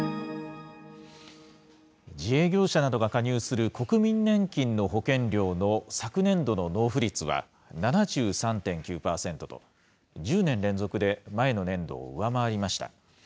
自営業者などが加入する国民年金の保険料の昨年度の納付率は７３．９％と、１０年連続で前の年度を上回りました。